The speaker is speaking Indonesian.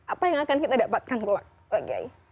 apa yang akan kita dapatkan pak gai